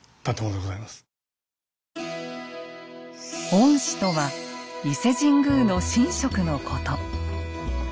「御師」とは伊勢神宮の神職のこと。